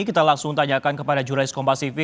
kita langsung tanyakan kepada jurais kompasivi